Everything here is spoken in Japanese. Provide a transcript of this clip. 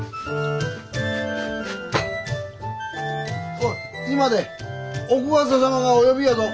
おい居間で奥方様がお呼びやぞ。